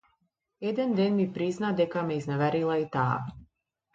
Еден ден ми призна дека ме изневерила и таа.